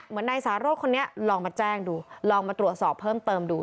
นายสาโรธคนนี้ลองมาแจ้งดูลองมาตรวจสอบเพิ่มเติมดู